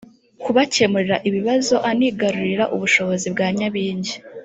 kubakemurira ibibazo anigarurira ubushobozi bwa nyabingi